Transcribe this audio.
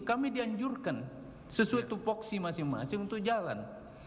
kami dianjurkan sesuai tupoksi masing masing untuk jalan